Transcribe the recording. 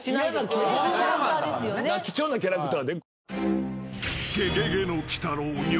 貴重なキャラクター。